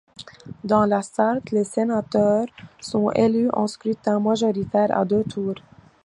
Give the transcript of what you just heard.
Dans la Sarthe, les sénateurs sont élus au scrutin majoritaire à deux tours.